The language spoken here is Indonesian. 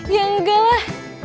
ya enggak lah